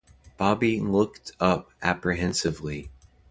Bobbie looked up apprehensively.